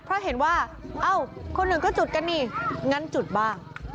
เพราะเห็นว่าเอ้าคนอื่นก็จุดกันนี่งั้นจุดบ้าง